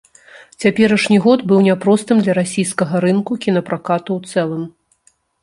Цяперашні год быў няпростым для расійскага рынку кінапракату ў цэлым.